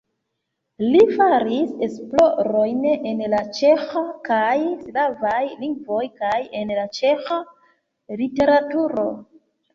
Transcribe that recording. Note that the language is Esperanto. Li faris esplorojn en la ĉeĥa kaj slavaj lingvoj kaj en ĉeĥa literaturo.